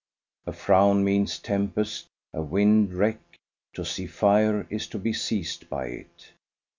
A frown means tempest, a wind wreck; to see fire is to be seized by it.